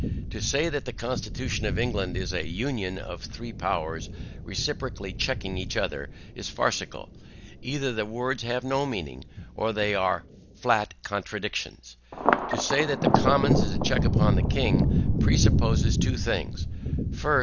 To say that the constitution of England is a UNION of three powers reciprocally CHECKING each other, is farcical, either the words have no meaning, or they are flat contradictions. To say that the commons is a check upon the king, presupposes two things. FIRST.